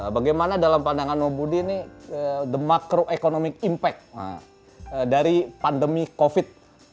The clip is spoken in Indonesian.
bagaimana dalam pandangan om budi ini the macro economic impact dari pandemi covid